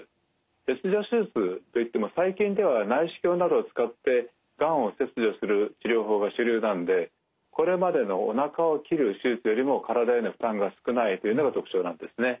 切除手術といっても最近では内視鏡などを使ってがんを切除する治療法が主流なんでこれまでのおなかを切る手術よりも体への負担が少ないというのが特徴なんですね。